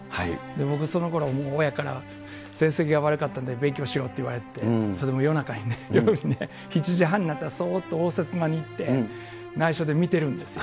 僕そのころ、親から、成績が悪かったんで、勉強しろって言われてて、それでも夜中に、７時半になったら、そうっと応接間に行って、ないしょで見てるんですよ。